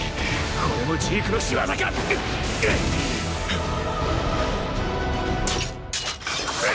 これもジークの仕業か⁉ッ！！ッ！！ッ！！